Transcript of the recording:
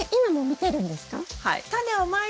はい。